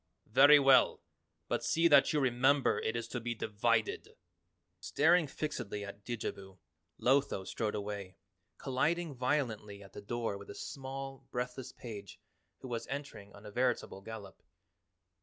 "Very well, but see that you remember it is to be divided!" Staring fixedly at Didjabo, Lotho strode away, colliding violently at the door with a small breathless page who was entering on a veritable gallop.